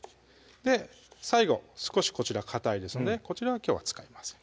最後少しこちらかたいですのでこちらはきょうは使いません